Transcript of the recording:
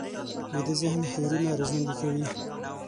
ویده ذهن هېرونه راژوندي کوي